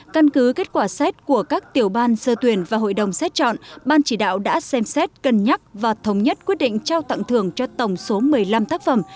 căn cứ kết quả xét của các tiểu ban sơ tuyển và hội đồng xét chọn ban chỉ đạo đã xem xét cân nhắc và thống nhất quyết định trao tặng thưởng cho tổng số một mươi năm tác phẩm